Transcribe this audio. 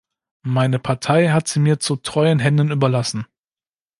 Meine Partei hat sie mir zu treuen Händen überlassen.